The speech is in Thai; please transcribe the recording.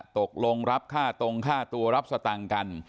ตกลงรับค่าตรงค่าตัวรับสตังค์กัน